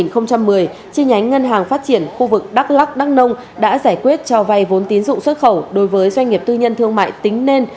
từ năm hai nghìn một mươi chi nhánh ngân hàng phát triển khu vực đắk lắk đăng nồng đã giải quyết cho vay vốn tín dụng xuất khẩu đối với doanh nghiệp tư nhân thương mại tính nên